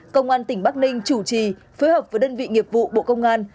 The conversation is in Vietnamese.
công an tỉnh bắc ninh chủ trì phối hợp với đơn vị nghiệp vụ bộ công an